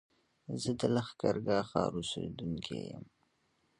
زه د لښکرګاه ښار اوسېدونکی يم